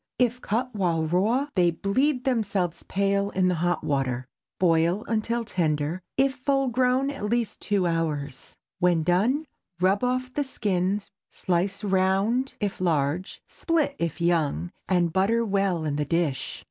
If cut while raw, they bleed themselves pale in the hot water. Boil until tender—if full grown at least two hours. When done, rub off the skins, slice round if large, split if young, and butter well in the dish.